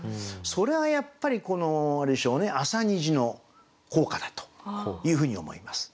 それはやっぱりこのあれでしょうね「朝虹」の効果だというふうに思います。